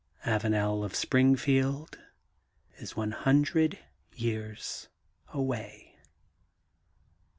Avanel of Springfield is one hundred years away.